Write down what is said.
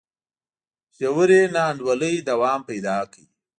ژورې نا انډولۍ دوام پیدا کړ.